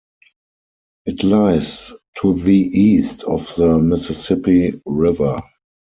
It lies to the east of the Mississippi River.